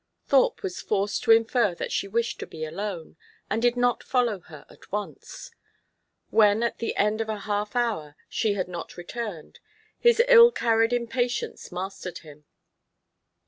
Thorpe was forced to infer that she wished to be alone, and did not follow her at once. When at the end of a half hour she had not returned, his ill carried impatience mastered him.